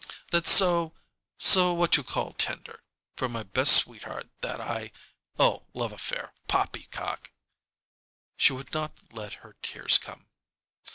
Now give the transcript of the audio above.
"That's so so what you call 'tender,' for my best sweetheart that I Oh, love affair poppycock!" She would not let her tears come.